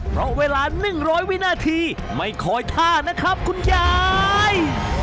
เพราะเวลา๑๐๐วินาทีไม่คอยฆ่านะครับคุณยาย